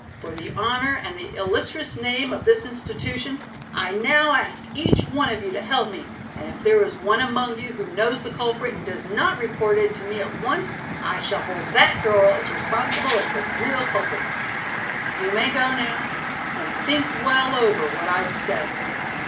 For the honor and the illustrious name of this institution, I now ask each one of you to help me, and if there is one among you who knows the culprit and does not report it to me at once, I shall hold that girl as responsible as the real culprit. You may go now, and think well over what I have said."